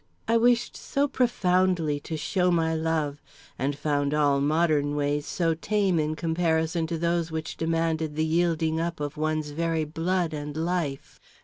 I wished so profoundly to show my love, and found all modern ways so tame in comparison to those which demanded the yielding up of one's very blood and life.